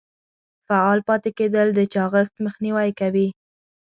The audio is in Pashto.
فعال پاتې کیدل د چاغښت مخنیوی کوي.